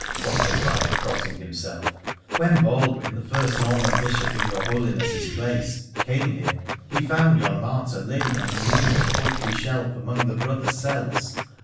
quoth the friar, crossing himself — 'when Baldwin, the first NormaD Bishop in your Holiness's place, came here, he found yon martyr laid on a mean and paltry shelf among the brothers" cells.